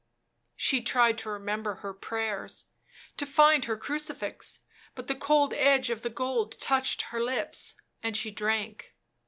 She tried to remember her prayers, to find her crucifix ; but the cold edge of the gold touched her lips, and she drank.